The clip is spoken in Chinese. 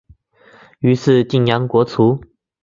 于是泾阳国除。